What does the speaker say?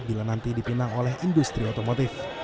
bila nanti dipinang oleh industri otomotif